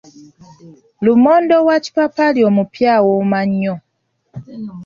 Lumonde owa kipaapaali omupya awooma nnyo.